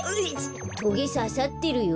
トゲささってるよ。